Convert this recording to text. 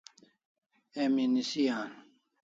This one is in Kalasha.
Emi nisi an